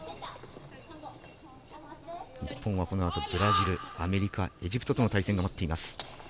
日本はこのあとブラジル、アメリカエジプトとの対戦が待っています。